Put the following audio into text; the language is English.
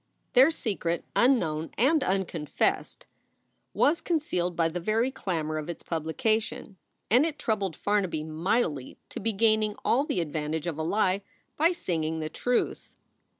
Their secret, unknown and unconfessed, was concealed by the very clamor of its publication. And it troubled Farnaby mightily to be gaining all the advantage of a lie by singing the truth.